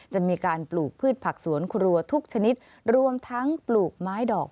จะมีการปลูกพืชผักสวนครัวทุกชนิดรวมทั้งปลูกไม้ดอก